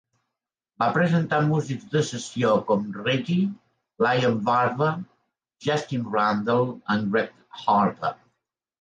Va presentar músics de sessió com Reddy, Liam Barber, Justin Randall i Greg Harper.